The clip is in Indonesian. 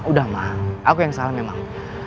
udah mah aku yang salah memang